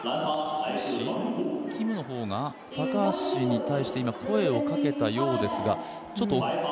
キムのほうが高橋に対して声をかけたようですが。